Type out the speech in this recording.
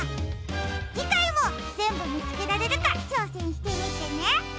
じかいもぜんぶみつけられるかちょうせんしてみてね！